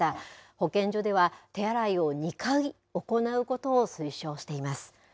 保健所では手洗いを２回行うことを推奨しています。